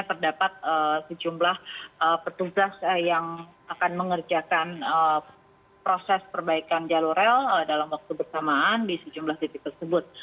petugas yang akan mengerjakan proses perbaikan jalur rel dalam waktu bersamaan di tujuh belas titik tersebut